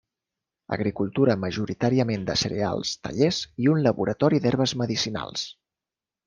Agricultura majoritàriament de cereals, tallers i un laboratori d'herbes medicinals.